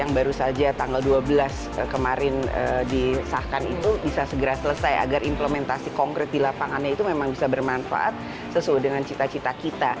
yang baru saja tanggal dua belas kemarin disahkan itu bisa segera selesai agar implementasi konkret di lapangannya itu memang bisa bermanfaat sesuai dengan cita cita kita